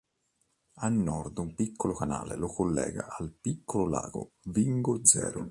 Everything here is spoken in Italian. A nord un piccolo canale lo collega al piccolo lago Vingozero.